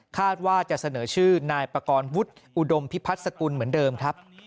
ว่าจะเสนอชื่อนายปกรณ์วุฒิอุดมพิพัฒน์สกุลเหมือนเดิมครับ